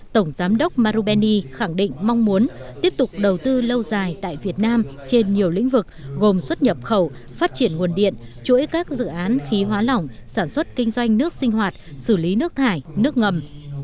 tổng giám đốc marubeni khẳng định mong muốn tiếp tục đầu tư lâu dài tại việt nam trên nhiều lĩnh vực gồm xuất nhập khẩu phát triển nguồn điện chuỗi các dự án khí hóa lỏng sản xuất kinh doanh nước sinh hoạt xử lý nước thải nước ngầm